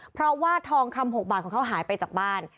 เพราะว่าทองคำ๖บาทของเขาหายไปจากบ้าน